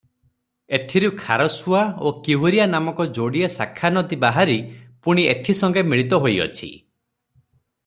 ଏଥୁରୁ ଖାରସୁଆ ଓ କିହ୍ୱିରିଆ ନାମକ ଯୋଡ଼ିଏ ଶାଖାନଦୀ ବାହାରି ପୁଣି ଏଥି ସଙ୍ଗେ ମିଳିତ ହୋଇଅଛି ।